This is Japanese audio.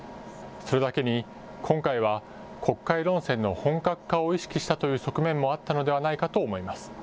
それだけに、今回は国会論戦の本格化を意識したという側面もあったのではないかと思います。